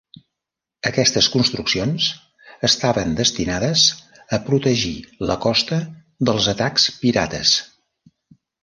Aquestes construccions estaven destinades a protegir la costa dels atacs pirates.